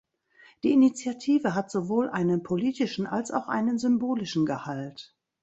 Die Initiative hat sowohl einen politischen als auch einen symbolischen Gehalt.